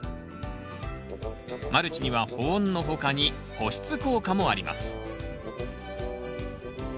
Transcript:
マルチには保温の他に保湿効果もあります